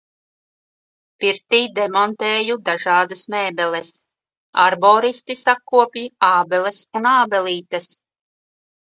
Pirtī demontēju dažādas mēbeles. Arboristi sakopj ābeles un ābelītes.